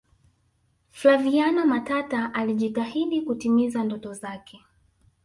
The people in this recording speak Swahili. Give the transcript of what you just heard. flaviana matata alijitahidi kutimiza ndoto zake